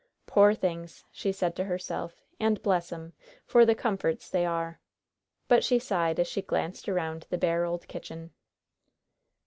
"Poor things!" she said to herself. "And bless 'em, for the comforts they are!" But she sighed as she glanced around the bare old kitchen.